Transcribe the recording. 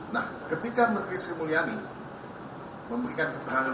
nah ketika menteri sri mulyani memberikan keterangan